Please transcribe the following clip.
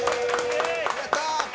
やったー！